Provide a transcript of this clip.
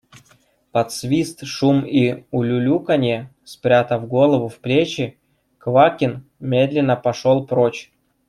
Под свист, шум и улюлюканье, спрятав голову в плечи, Квакин медленно пошел прочь.